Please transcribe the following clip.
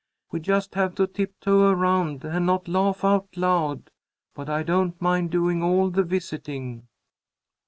We just have to tiptoe around and not laugh out loud. But I don't mind doing all the visiting."